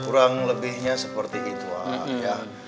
kurang lebihnya seperti itu aja